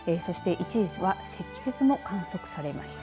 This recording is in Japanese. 一時は積雪も観測されました。